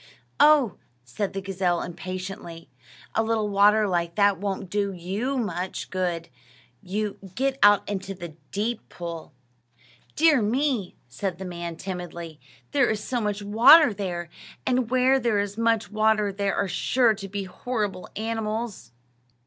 "Oh," said the gazelle, impatiently, "a little water like that won't do you much good; get out into the deep pool." "Dear me!" said the man, timidly; "there is so much water there; and where there is much water there are sure to be horrible animals."